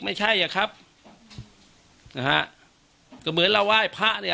ไม่ใช่อะครับนะฮะก็เหมือนเราไหว้พระเนี่ย